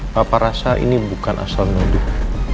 papa rasa ini bukan asal nuduh